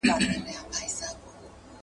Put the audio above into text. له کوڅه دربي سپي مه بېرېږه.